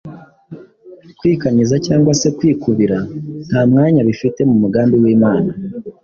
Kwikanyiza cyangwa se kwikubira nta mwanya bifite mu mugambi w’Imana.